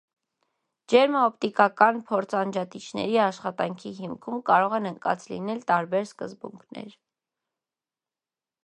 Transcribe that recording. Ջերմաօպտիկական փոխանջատիչների աշխատանքի հիմքում կարող են ընկած լինել տարբեր սկզբունքներ։